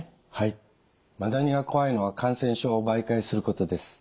マダニが怖いのは感染症を媒介することです。